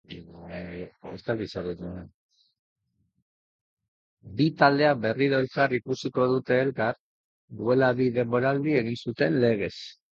Bi taldeak berriro elkar ikusiko dute elkar duela bi denboraldi egin zuten legez.